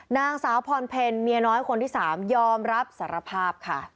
นางสาวพรเพลเมียน้อยคนที่๓ยอมรับสารภาพค่ะ